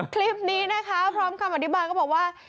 คลิปนี้นะคะพร้อมคำอธิบายก็บอกว่า